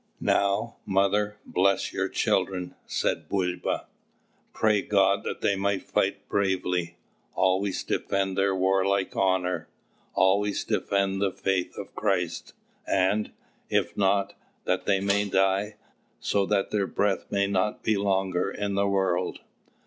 "Now, mother, bless your children," said Bulba. "Pray God that they may fight bravely, always defend their warlike honour, always defend the faith of Christ; and, if not, that they may die, so that their breath may not be longer in the world."